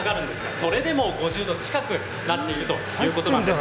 それでも５０度近くなっているということなんです。